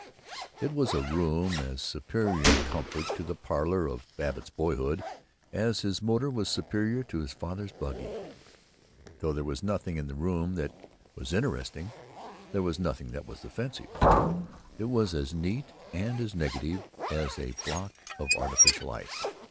It was a room as superior in comfort to the "parlor" of Babbitt's boyhood as his motor was superior to his father's buggy. Though there was nothing in the room that was interesting, there was nothing that was offensive. It was as neat, and as negative, as a block of artificial ice.